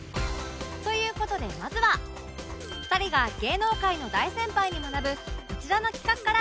という事でまずは２人が芸能界の大先輩に学ぶこちらの企画から